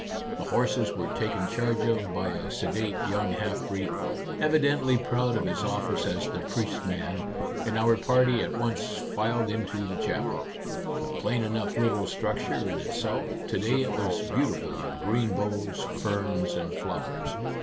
The horses were taken charge of by a sedate young half breed, evidently proud of his office as the " priest's man," and our party at once filed into the chapel. A plain enough little structure in itself, to day it was beautiful with green boughs, ferns, and flowers.